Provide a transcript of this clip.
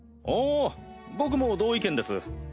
おお僕も同意見です。